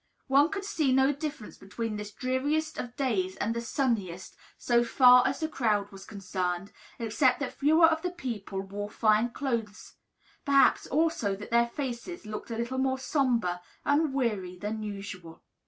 One could see no difference between this dreariest of days and the sunniest, so far as the crowd was concerned, except that fewer of the people wore fine clothes; perhaps, also, that their faces looked a little more sombre and weary than usual.